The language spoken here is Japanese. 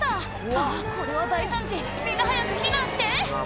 あぁこれは大惨事みんな早く避難して！